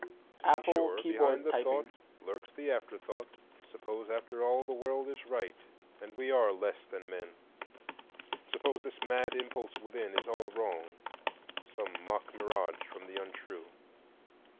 To be sure, behind the thought lurks the afterthought,—suppose, after all, the World is right and we are less than men? Suppose this mad impulse within is all wrong, some mock mirage from the untrue?